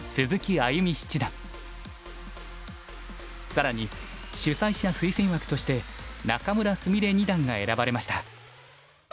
更に主催者推薦枠として仲邑菫二段が選ばれました。